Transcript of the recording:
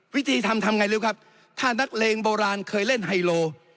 วิธีทำทำไงรู้ครับถ้านักเลงโบราณเคยเล่นไฮโล